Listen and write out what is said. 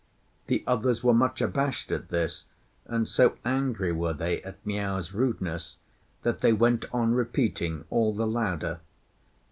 The others were much abashed at this, and so angry were they at Miao's rudeness that they went on repeating all the louder.